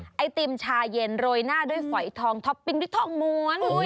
ไอติมชาเย็นโรยหน้าด้วยฝอยทองท็อปปิ้งด้วยทองม้วน